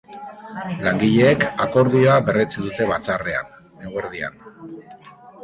Langileek akordioa berretsi dute batzarrrean, eguerdian.